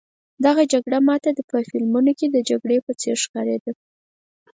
دغه جګړه ما ته په فلمونو کې د جګړې په څېر ښکارېده.